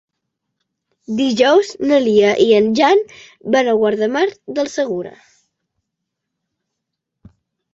Dijous na Lia i en Jan van a Guardamar del Segura.